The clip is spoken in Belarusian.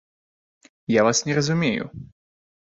Я вас не разумею.